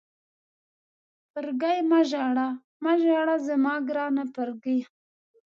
فرګي مه ژاړه، مه ژاړه زما ګرانې فرګي.